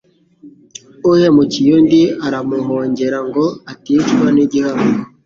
uhemukiye undi aramuhongera ngo aticwa n’igihango